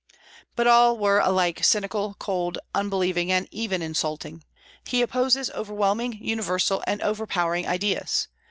But all were alike cynical, cold, unbelieving, and even insulting. He opposes overwhelming, universal, and overpowering ideas.